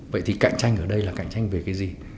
vậy thì cạnh tranh ở đây là cạnh tranh về cái gì